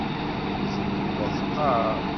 Tiziri la t-teqqar.